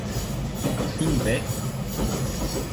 Imbé